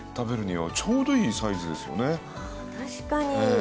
確かに。